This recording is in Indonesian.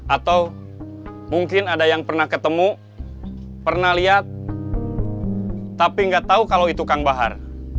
atau mungkin ada yang pernah ketemu pernah lihat tapi nggak tahu kalau itu kang bahar